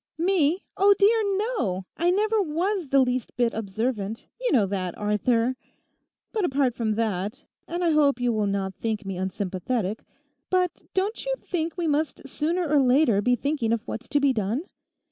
'Me? Oh dear, no! I never was the least bit observant; you know that, Arthur. But apart from that, and I hope you will not think me unsympathetic—but don't you think we must sooner or later be thinking of what's to be done?